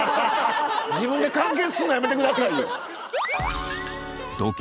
自分で完結すんのやめて下さいよ。